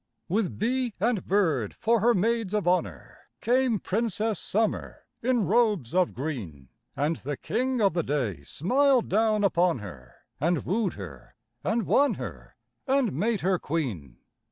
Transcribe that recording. With bee and bird for her maids of honour Came Princess Summer in robes of green. And the King of day smiled down upon her And wooed her, and won her, and made her queen.